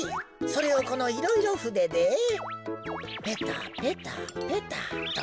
それをこのいろいろふででペタペタペタと。